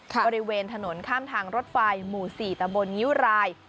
บริเวณถนนข้ามทางรถไฟหมู่๔ตะบนงิ้วราย